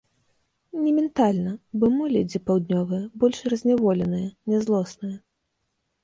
Ні ментальна, бо мы людзі паўднёвыя, больш разняволеныя, нязлосныя.